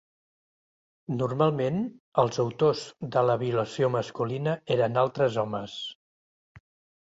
Normalment, els autors de la violació masculina eren altres homes.